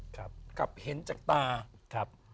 กลับเห็นจากตา